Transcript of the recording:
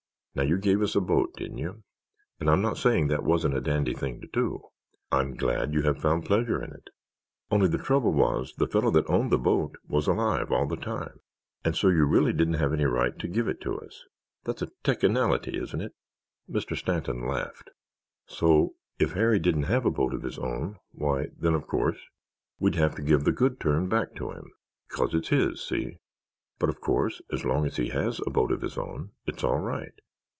Now you gave us a boat, didn't you? And I'm not saying that wasn't a dandy thing to do." "I'm glad you have found pleasure in it." "Only the trouble was the fellow that owned the boat was alive all the time and so you really didn't have any right to give it to us. That's a teckinality, isn't it?" Mr. Stanton laughed. "So if Harry didn't have a boat of his own, why, then, of course, we'd have to give the Good Turn back to him—'cause it's his, see? But, of course, as long as he has a boat of his own, it's all right.